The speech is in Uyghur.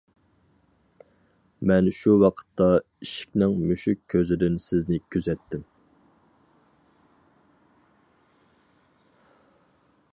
مەن شۇ ۋاقىتتا ئىشىكنىڭ مۈشۈك كۆزىدىن سىزنى كۆزەتتىم.